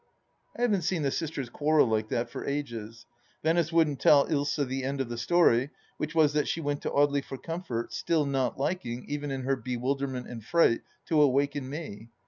I haven't seen the sisters quarrel like that for ages. Venice wouldn't tell Ilsa the end of the story, which was that she went to Audely for comfort, still not liking, even in her be wilderment and fright, to awaken me.